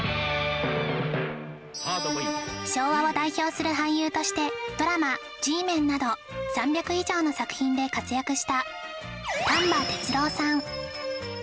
すごいサムネとしてドラマ「Ｇメン」など３００以上の作品で活躍した丹波哲郎さん